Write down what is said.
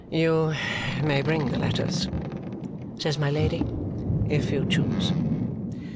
"You may bring the letters," says my Lady, "if you choose."